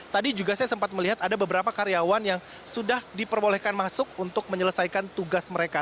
tadi juga saya sempat melihat ada beberapa karyawan yang sudah diperbolehkan masuk untuk menyelesaikan tugas mereka